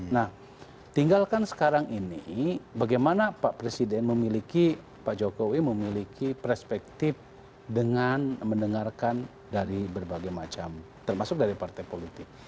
nah tinggalkan sekarang ini bagaimana pak presiden memiliki pak jokowi memiliki perspektif dengan mendengarkan dari berbagai macam termasuk dari partai politik